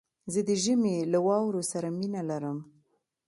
زه د ژمي له واورو سره مينه لرم